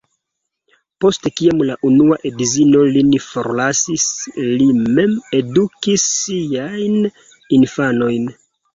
Post kiam la unua edzino lin forlasis li mem edukis siajn infanojn.